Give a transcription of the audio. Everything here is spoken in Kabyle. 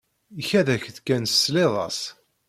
Ikad-ak-d kan tesliḍ-as.